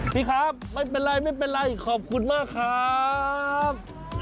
พี่ครับไม่เป็นไรขอบคุณมากครับ